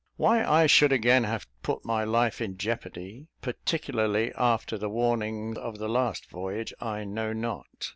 Why I should again have put my life in jeopardy, particularly after the warning of the last voyage, I know not.